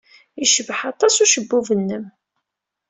Yecbeḥ aṭas ucebbub-nnem.